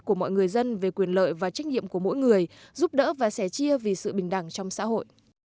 của mọi người dân về quyền lợi và trách nhiệm của mỗi người giúp đỡ và sẻ chia vì sự bình đẳng trong xã hội